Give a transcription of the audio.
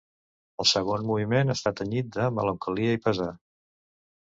El segon moviment està tenyit de melancolia i pesar.